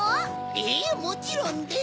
ええもちろんです。